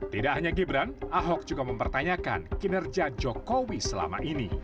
tidak hanya gibran ahok juga mempertanyakan kinerja jokowi selama ini